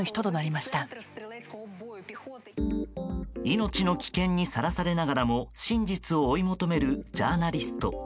命の危険にさらされながらも真実を追い求めるジャーナリスト。